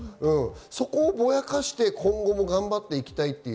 そこをぼやかして今後も頑張っていきたいという。